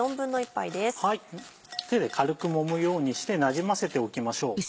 手で軽くもむようにしてなじませておきましょう。